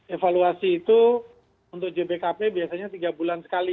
evaluasi itu untuk jbkp biasanya tiga bulan sekali